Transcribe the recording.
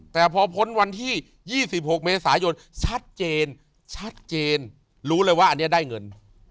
แต่พอพ้นวันที่๒๖เมษายนชัดเจนชัดเจนรู้เลยว่าอันนี้ได้เงิน